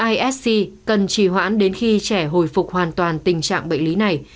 isc cần trì hoãn đến khi trẻ hồi phục hoàn toàn tình trạng bệnh lý này